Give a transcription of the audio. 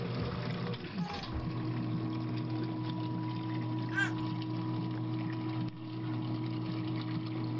سوله د ټولو په تاوان ده.